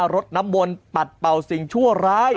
รถน้ำมนต์ปัดเป่าสิ่งชั่วร้าย